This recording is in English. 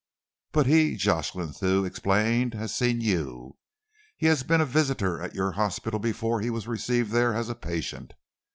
"But he," Jocelyn Thew explained, "has seen you. He has been a visitor at your hospital before he was received there as a patient.